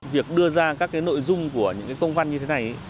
việc đưa ra các nội dung của những công văn như thế này